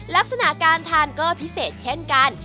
ลักษณะการทานก็พิเศษเช่นกัน